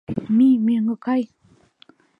Мий, мӧҥгӧ кай!